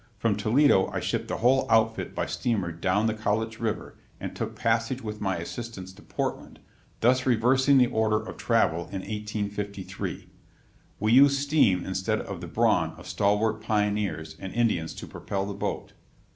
] From Toledo I shipped the whole outfit by steamer down the Cowlitz River, and took passage with my assistants to Portland, thus reversing the order of travel in 1853. We used steam instead of the brawn of stalwart pioneers and Indians to propel the boat.